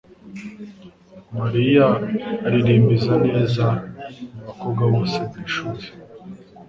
Mariya aririmba neza mubakobwa bose mwishuri.